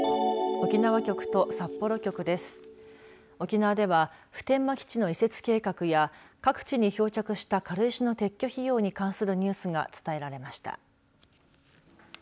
沖縄では普天間基地の移設計画や各地に漂着した軽石の撤去費用に関するニュースが伝えられました。